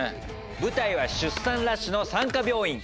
舞台は出産ラッシュの産科病院。